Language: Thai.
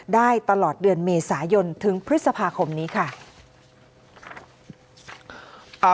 ได้ตลอดเดือนเมษายนถึงพฤษภาคมนี้ค่ะ